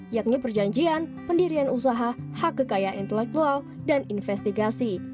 yakni perjanjian pendirian usaha hak kekayaan intelektual dan investigasi